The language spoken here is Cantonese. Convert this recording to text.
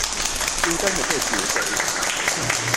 叫雞咪即係召妓